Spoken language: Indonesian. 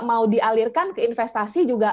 mau dialirkan ke investasi juga